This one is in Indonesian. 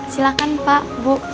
silahkan pak bu